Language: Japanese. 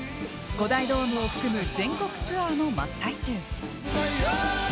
５大ドームを含む全国ツアーの真っ最中。